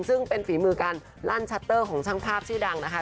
ซึ่งเป็นฝีมือการลั่นชัตเตอร์ของช่างภาพชื่อดังนะคะ